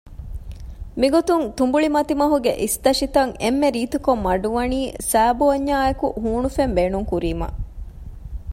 މިގޮތުން ތުނބުޅި މަތިމަހުގެ އިސްތަށިތައް އެންމެ ރީތިކޮށް މަޑުވަނީ ސައިބޯންޏާއެކު ހޫނުފެން ބޭނުން ކުރީމަ